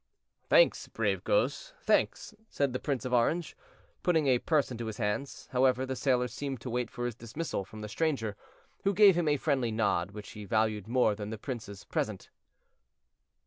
"Thanks, brave Goes, thanks," said the Prince of Orange, putting a purse into his hand. However, the sailor seemed to wait for his dismissal from the stranger, who gave him a friendly nod, which he valued more than the prince's present.